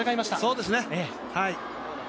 そうですね。